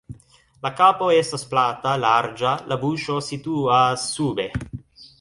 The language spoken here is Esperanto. La kapo estas plata, larĝa, la buŝo situas sube.